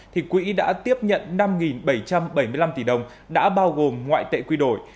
thì quỹ đã tiếp nhận năm bảy trăm bảy mươi năm tỷ đồng đã bao gồm ngoại tệ quy đổi